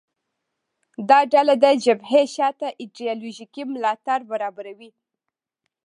دا ډله د جبهې شا ته ایدیالوژیکي ملاتړ برابروي